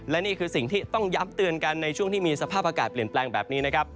และนี่คือสิ่งที่ต้องย้ำเตือนกันในช่วงที่มีสภาพอากาศเปลี่ยนแปลงแบบนี้นะครับ